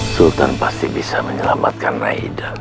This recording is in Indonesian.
sultan pasti bisa menyelamatkan naida